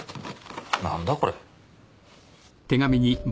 何だこれ？